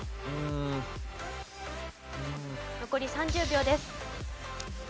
残り３０秒です。